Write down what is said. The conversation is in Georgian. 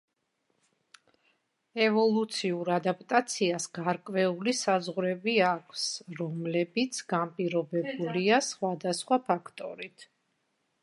ევოლუციურ ადაპტაციას გარკვეული საზღვრები აქვს, რომლებიც განპირობებულია სხვადასხვა ფაქტორით.